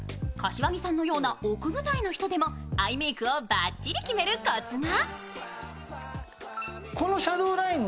柏木さんのような奥二重の人でもアイメークをバッチリ決めるコツが。